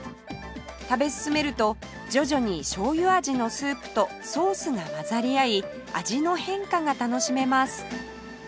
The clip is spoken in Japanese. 食べ進めると徐々にしょうゆ味のスープとソースが混ざり合い味の変化が楽しめます